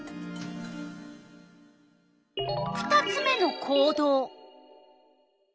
２つ目の行動。